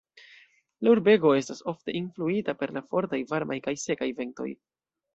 La urbego estas ofte influita per la fortaj, varmaj kaj sekaj ventoj.